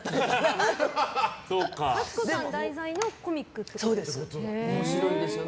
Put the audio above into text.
幸子さんが題材のコミックってことですね。